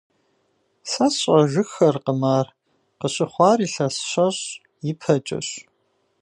Сэ сщӀэжыххэркъым ар, къыщыхъуар илъэс щэщӀ ипэкӀэщ.